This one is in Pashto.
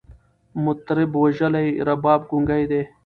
مطرب وژلی، رباب ګونګی دی